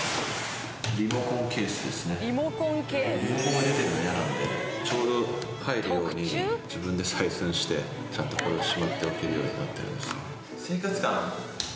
リモコンが出てるの嫌なんでちょうど入るように自分で採寸してちゃんとこれをしまっておけるようになってるんです。